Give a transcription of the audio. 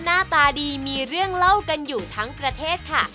หน้าตาดีมีเรื่องเล่ากันอยู่ทั้งประเทศค่ะ